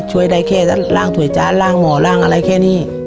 ช่วยได้แค่ร่างถ่วยจานร่างหมอร่างอะไรแค่นี้